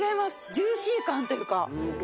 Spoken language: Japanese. ジューシー感というか。